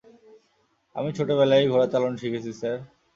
আমি ছোটবেলায়ই ঘোড়া চালানো শিখেছি, স্যার।